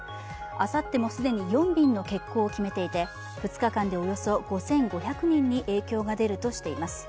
あさっても既に４便の欠航を決めていて２日間でおよそ５５００人に影響が出るとしています。